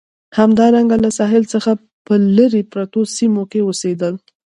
همدارنګه له ساحل څخه په لرې پرتو سیمو کې اوسېدل.